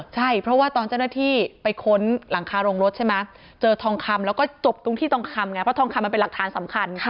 ใช่เพราะว่าตอนเจ้าหน้าที่ไปค้นหลังคาโรงรถใช่ไหมเจอทองคำแล้วก็จบตรงที่ทองคำไงเพราะทองคำมันเป็นหลักฐานสำคัญ